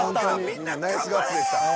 みんなナイスガッツでした。